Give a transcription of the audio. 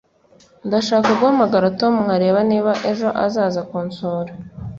Ndashaka guhamagara Tom nkareba niba ejo azaza kunsura